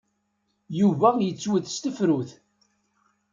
Yuba yettwet s tefrut.